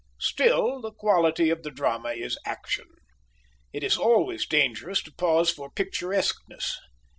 Still, the quality of the drama is action. It is always dangerous to pause for picturesqueness.